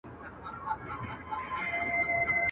کرۍ ورځ یې وه پخوا اوږده مزلونه.